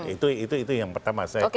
itu itu itu yang pertama saya inginkan